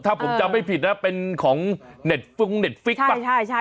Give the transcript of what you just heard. ถ้าผมจำไม่ผิดนะเป็นของเน็ตฟิล์กเน็ตฟิล์กใช่ใช่ใช่